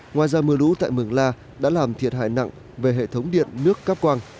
ngoài ra mưa lũ tại mường la đã làm thiệt hại nặng về hệ thống điện nước cáp quang